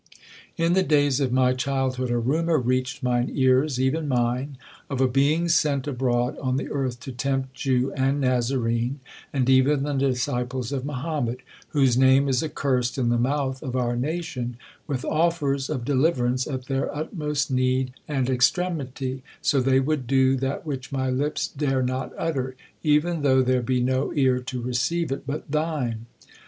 'In the days of my childhood, a rumour reached mine ears, even mine, of a being sent abroad on the earth to tempt Jew and Nazarene, and even the disciples of Mohammed, whose name is accursed in the mouth of our nation, with offers of deliverance at their utmost need and extremity, so they would do that which my lips dare not utter, even though there be no ear to receive it but thine.